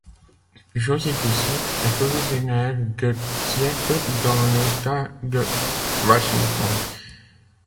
Josie Bissett est originaire de Seattle, dans l’État de Washington.